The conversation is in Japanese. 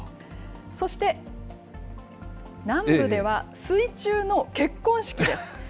そして南部では、水中の結婚式です。